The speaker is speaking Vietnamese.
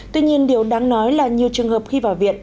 tuy nhiên điều đáng nói là nhiều trường hợp khi vào viện